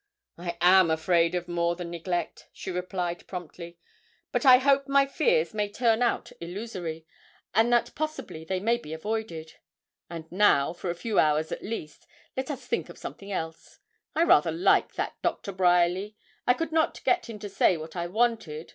'I am afraid of more than neglect,' she replied promptly; 'but I hope my fears may turn out illusory, and that possibly they may be avoided. And now, for a few hours at least, let us think of something else. I rather like that Doctor Bryerly. I could not get him to say what I wanted.